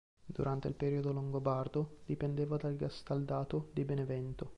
Durante il periodo longobardo dipendeva dal gastaldato di Benevento.